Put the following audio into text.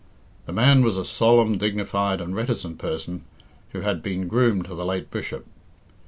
The man was a solemn, dignified, and reticent person, who had been groom to the late Bishop.